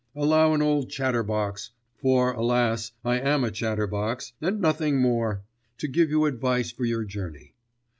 Allow an old chatterbox for, alas, I am a chatterbox, and nothing more to give you advice for your journey.